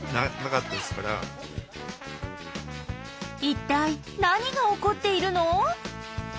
一体何が起こっているの？